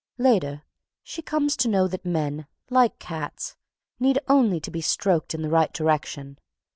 Later, she comes to know that men, like cats, need only to be stroked in the right direction.